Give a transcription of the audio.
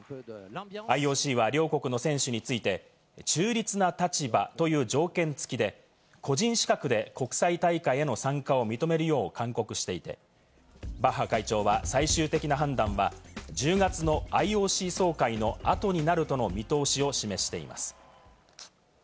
ＩＯＣは両国の選手について、中立な立場という条件付で個人資格で国際大会への参加を認めるよう勧告していて、バッハ会長は最終的な判断は１０月のＩＯＣ総会の後になるとの見通しを示しています。